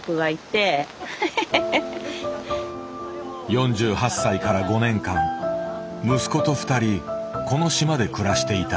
４８歳から５年間息子と２人この島で暮らしていた。